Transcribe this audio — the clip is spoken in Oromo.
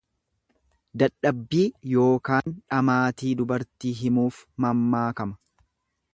Dadhabbii yookaan dhamaatii dubartii himuuf mammaakama.